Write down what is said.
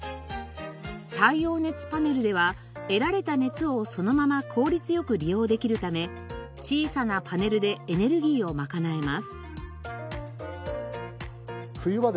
太陽熱パネルでは得られた熱をそのまま効率よく利用できるため小さなパネルでエネルギーを賄えます。